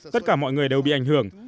tất cả mọi người đều bị ảnh hưởng